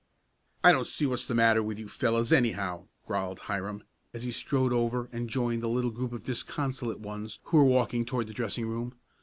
"I don't see what's the matter with you fellows, anyhow," growled Hiram, as he strode over and joined the little group of disconsolate ones who were walking toward the dressing room.